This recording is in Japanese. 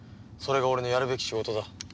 それが俺のやるべき仕事だ。